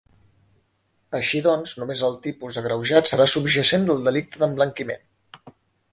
Així doncs, només el tipus agreujat serà subjacent del delicte d’emblanquiment.